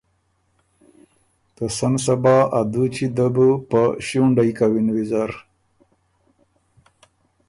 ته سن صبا ا دُوچی ده بو په ݭُونډئ کَوِن ویزر۔